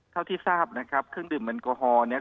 เท่าที่ทราบนะครับเครื่องดื่มแอลกอฮอล์เนี่ย